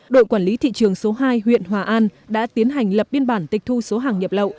đội quản lý thị trường số hai huyện hòa an đã tiến hành lập biên bản tịch thu số hàng nhập lậu